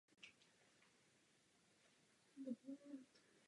Byl členem první správní rady Měšťanského pivovaru a také poslancem Říšského sněmu.